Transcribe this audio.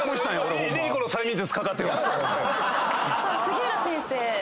杉浦先生。